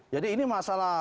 jadi ini masalah